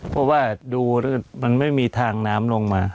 เพราะว่าดูแล้วมันไม่มีทางน้ำลงมา